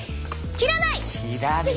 切らない。